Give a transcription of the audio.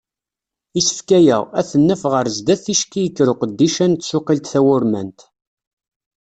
Isefka-a, ad ten-naf ɣer sdat ticki yekker uqeddic-a n tsuqilt tawurmant.